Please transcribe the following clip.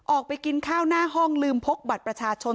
ออกไปกินข้าวหน้าห้องลืมพกบัตรประชาชน